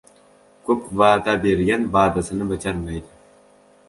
• Ko‘p va’da bergan va’dasini bajarmaydi.